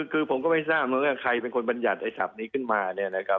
คือผมก็ไม่ทราบเพราะว่าใครเป็นคนบรรยัดในสับนี้ขึ้นมาเนี่ยนะครับ